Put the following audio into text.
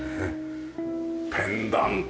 ペンダント。